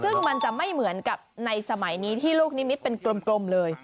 ซึ่งมันจะไม่เหมือนกับในสมัยนี้ที่ลูกนิมิตเป็นกลมเลย